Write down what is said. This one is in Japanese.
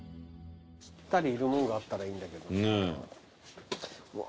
ぴったりいるもんがあったらいいんだけどな。